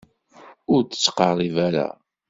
Ur d-ttqeṛṛib ara.